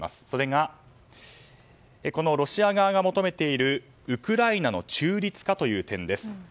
それが、ロシア側が求めているウクライナの中立化という点です。